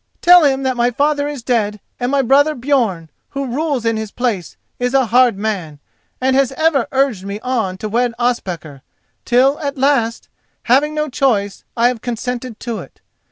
Tell him that my father is dead, and my brother Björn, who rules in his place, is a hard man, and has ever urged me on to wed Ospakar, till at last, having no choice, I have consented to it.